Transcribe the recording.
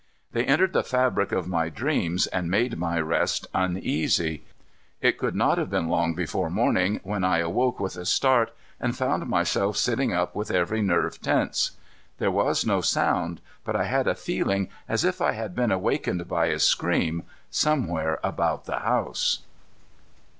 They entered the fabric of my dreams and made my rest uneasy. It could not have been long before morning when I awoke with a start and found myself sitting up with every nerve tense. There was no sound, but I had a feeling as if I had been awakened by a scream, somewhere about the house.